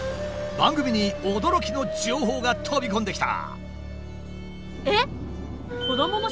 番組に驚きの情報が飛び込んできた！